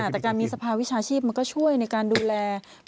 แต่การมีสภาวิชาชีพมันก็ช่วยในการดูแล